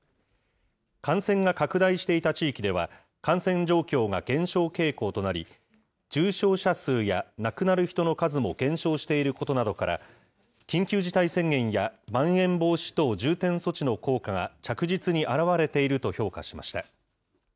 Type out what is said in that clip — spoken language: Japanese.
感染が拡大していた地域では感染状況が減少傾向となり、重症者数や亡くなる人の数も減少していることなどから、緊急事態宣言や、まん延防止等重点措置の効果が着実に表れていると評価しました。